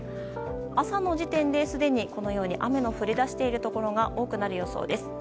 朝の時点で、すでに雨の降り出しているところが多くなる予想です。